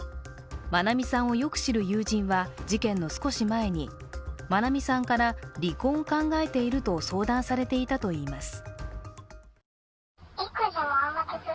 愛美さんをよく知る友人は事件の少し前に、愛美さんから離婚を考えていると相談されていたといいます。